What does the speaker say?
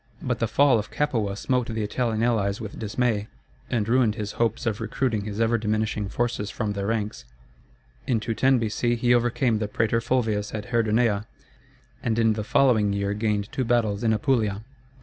But the fall of Capua smote the Italian allies with dismay, and ruined his hopes of recruiting his ever diminishing forces from their ranks. In 210 B.C. he overcame the prætor Fulvius at Herdonea, and in the following year gained two battles in Apulia.